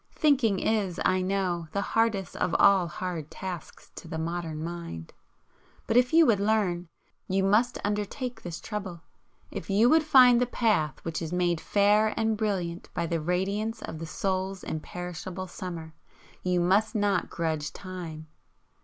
Thinking is, I know, the hardest of all hard tasks to the modern mind. But if you would learn, you must undertake this trouble. If you would find the path which is made fair and brilliant by the radiance of the soul's imperishable summer, you must not grudge time.